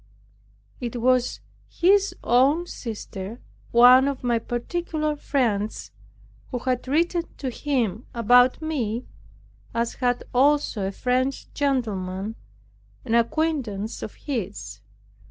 It was his own sister, one of my particular friends, who had written to him about me, as had also a French gentleman, an acquaintance of his.